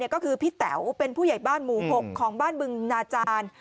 ก็คือพี่แต๋วเป็นผู้ใหญ่บ้านหมู่๖ของบ้านบึงนาจารย์